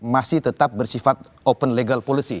masih tetap bersifat open legal policy